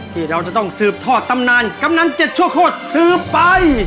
ที่เราจะต้องสืบทอดตำนานกำนันเจ็ดชั่วโคตรสืบไป